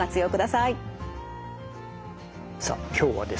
さあ今日はですね